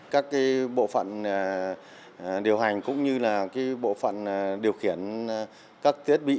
các bộ phận điều hành cũng như là bộ phận điều khiển các thiết bị